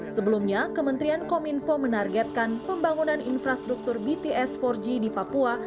sebelumnya kementerian kominfo menargetkan pembangunan infrastruktur bts empat g di papua